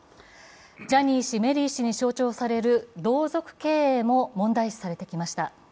ジャニー氏、メリー氏に象徴される同族経営も問題視されてきました。